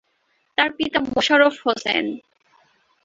তার পিতা মোশাররফ হোসেন।